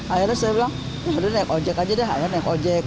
akhirnya saya bilang yaudah naik ojek aja deh akhirnya naik ojek